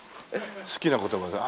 好きな言葉です。